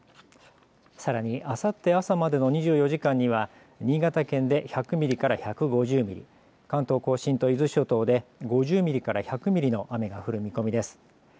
さらに、あさって朝までの２４時間には新潟県で１００ミリから１５０ミリ、関東甲信と伊豆諸島で５０ミリから１００ミリの雨が降る見込みです。